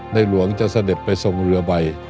หลวงจะเสด็จไปทรงเรือใบ